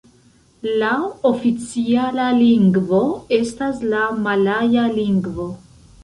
La oficiala lingvo estas la malaja lingvo.